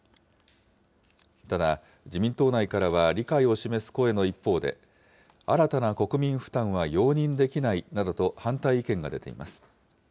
ただ、自民党内からは理解を示す声の一方で、新たな国民負担は容認できないなどと反対意見が出ています。